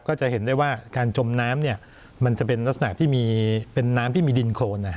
ก็จะเห็นได้ว่าการจมน้ำมันจะเป็นลักษณะที่มีเป็นน้ำที่มีดินโครน